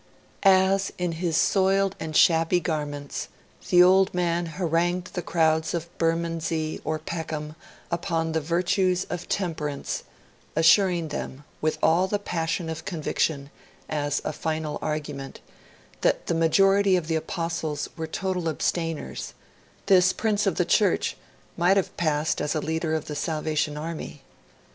As, in his soiled and shabby garments, the old man harangued the crowds of Bermondsey or Peckham upon the virtues of Temperance, assuring them, with all the passion of conviction, as a final argument, that the majority of the Apostles were total abstainers, this Prince of the Church might have passed as a leader of the Salvation Army.